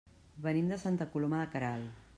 Venim de Santa Coloma de Queralt.